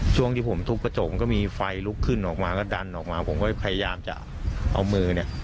ช่วงที่ผมทุบกระจกมันก็มีไฟลุกขึ้นออกมาก็ดันออกมาผมก็พยายามจะเอามือเนี่ย